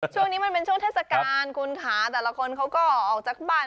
ช่วงนี้มันเป็นช่วงเทศกาลแต่ละคนเค้าออกจากบ้าน